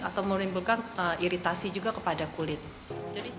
atau menimbulkan iritasi juga kepada kulit